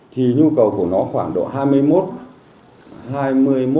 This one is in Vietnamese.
thì nhu cầu của nó khoảng độ hai mươi một tỷ